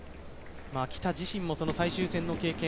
喜多自身も最終戦の経験